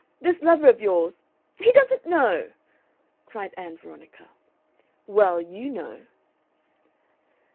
This lover of yours " "He doesn't know!" cried Ann Veronica. "Well, you know."